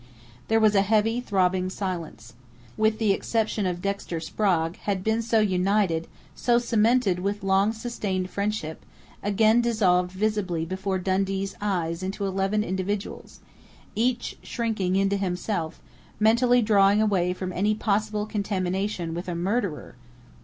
There was a heavy, throbbing silence. The group that, with the exception of Dexter Sprague, had been so united, so cemented with long sustained friendship, again dissolved visibly before Dundee's eyes into eleven individuals, each shrinking into himself, mentally drawing away from any possible contamination with a murderer....